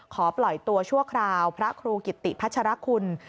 ปล่อยตัวชั่วคราวพระครูกิติพัชรคุณ